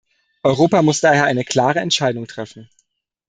Europa muss daher eine klare Entscheidung treffen.